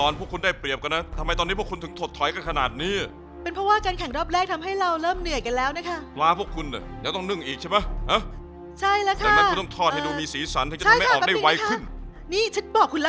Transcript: เมื่อกี้คุณบอกฉันไม่ใช่เรื่องไงว่ามันคือเกลือน่ะ